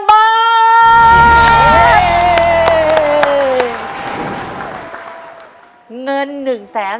หนึ่งหมื่นหนึ่งหมื่น